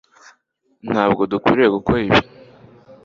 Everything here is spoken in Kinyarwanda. Ntabwo dukwiye gukora ibi